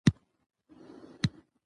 اوښـان دې درنه پاتې شي كوچـۍ بلا وهلې.